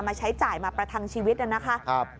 ใช้จ่ายมาประทังชีวิตนะครับ